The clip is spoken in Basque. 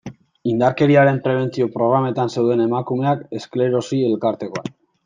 Indarkeriaren prebentzio programetan zeuden emakumeak, esklerosi elkartekoak...